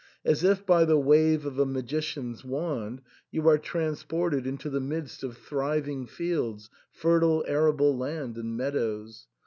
As if by the wave of a magician's wand you are transported into the midst of thriving fields, fertile arable land, and meadows.